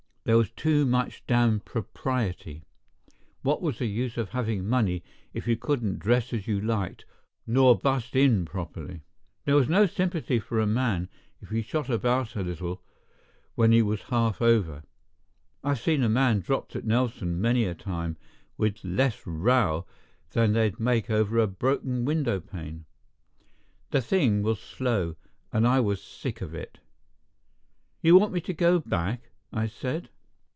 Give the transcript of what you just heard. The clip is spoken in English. There was too much damned propriety. What was the use of having money if you couldn't dress as you liked, nor bust in properly? There was no sympathy for a man if he shot about a little when he was half over, I've seen a man dropped at Nelson many a time with less row than they'd make over a broken window pane. The thing was slow, and I was sick of it. "You want me to go back?" I said.